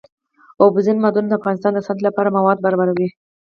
اوبزین معدنونه د افغانستان د صنعت لپاره مواد برابروي.